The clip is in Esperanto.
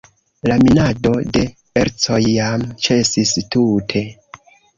La minado de ercoj jam ĉesis tute.